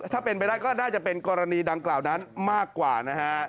ถ้าเป็นไปได้ก็น่าจะเป็นกรณีดังกล่าวนั้นมากกว่านะฮะ